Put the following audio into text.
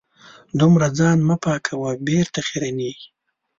دومره ځان مه پاکوه .بېرته خیرنېږې